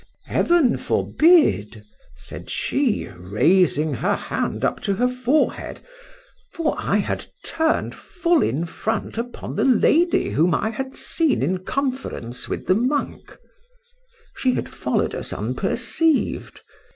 —Heaven forbid! said she, raising her hand up to her forehead, for I had turned full in front upon the lady whom I had seen in conference with the monk:—she had followed us unperceived.